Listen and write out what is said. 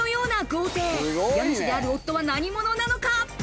家主である夫は何者なのか。